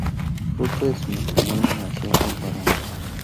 Fruto de su matrimonio nació un varón.